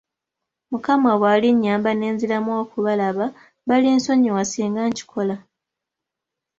Mukama bw'alinnyamba ne nziramu okubalaba, balinsonyiwa singa nkikola?